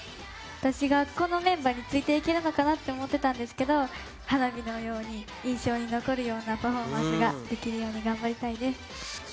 私がこのメンバーについていけるのかって思ってたんですけど、花火のように、印象に残るようなパフォーマンスができるように頑張りたいです。